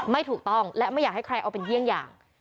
ไม่ถูกต้องและไม่อยากให้ใครเอาเป็นเยี่ยงอย่าง